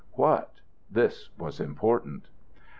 "What?" This was important.